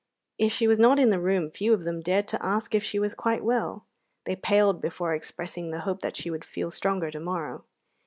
If she was not in the room few of them dared to ask if she was quite well. They paled before expressing the hope that she would feel stronger to morrow.